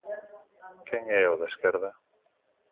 Quen é o da esquerda?